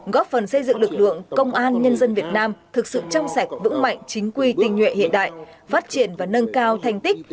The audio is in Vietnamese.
góp phần xây dựng lực lượng công an nhân dân việt nam thực sự trong sạch vững mạnh chính quy tình nguyện hiện đại phát triển và nâng cao thành tích